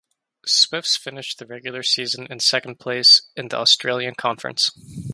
Swifts finished the regular season in second place in the Australian Conference.